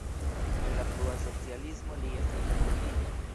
En la frua socialismo li estis deportita.